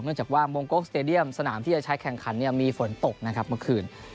จากว่ามงโกสเตดียมสนามที่จะใช้แข่งขันมีฝนตกนะครับเมื่อคืน